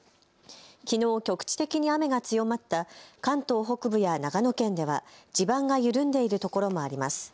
きのう局地的に雨が強まった関東北部や長野県では地盤が緩んでいるところもあります。